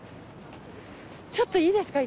ちょっといいですか？